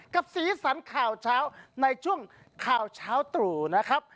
กับศรีสรรข่าวเข้าในช่วงข่าวเข้าตรูนะครับ